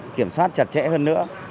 kiểm soát chặt chẽ hơn nữa